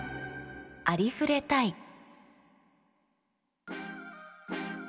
「ありふれたい」。